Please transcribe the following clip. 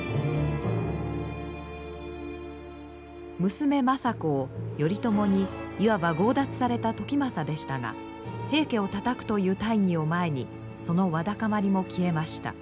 娘政子を頼朝にいわば強奪された時政でしたが平家をたたくという大義を前にそのわだかまりも消えました。